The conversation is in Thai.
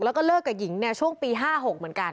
แล้วก็เลิกกับหญิงเนี่ยช่วงปีห้าหกเหมือนกัน